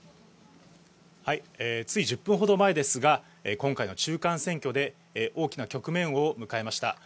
つい１０分ほど前ですが今回の中間選挙で大きな局面を迎えました。